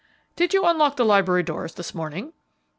"Did you unlock the library doors this morning?"